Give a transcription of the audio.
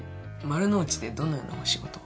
丸の内でどのようなお仕事を？